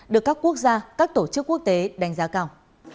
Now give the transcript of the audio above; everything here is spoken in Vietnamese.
được các quốc gia các tổ chức quốc tế đánh giá cao